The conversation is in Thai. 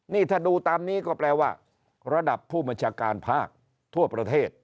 นี่ถ้าดูตามนี้ก็แปลว่าระดับผู้บัญชาการภาคทั่วประเทศ